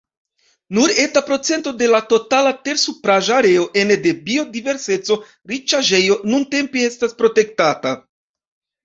Nur eta procento de la totala tersupraĵa areo ene de biodiverseco-riĉaĵejoj nuntempe estas protektata.